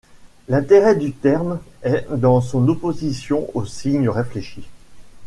L'intérêt du terme est dans son opposition au signe réfléchi.